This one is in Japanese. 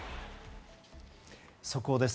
速報です。